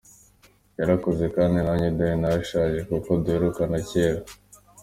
Yarakuze, kandi nanjye dore narashaje, kuko duherukana cyera.